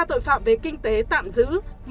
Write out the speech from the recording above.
tội phạm về kinh tế tạm giữ